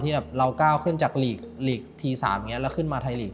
ที่เราก้าวขึ้นจากที๓แล้วขึ้นมาทายลีก